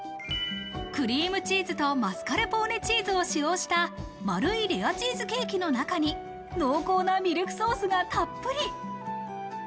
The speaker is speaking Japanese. クリームチーズとマスカルポーネチーズを使用した丸いレアチーズケーキの中に、濃厚なミルクソースがたっぷり。